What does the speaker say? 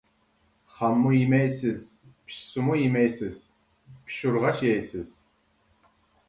خاممۇ يېمەيسىز، پىشسىمۇ يېمەيسىز، پىشۇرغاچ يەيسىز.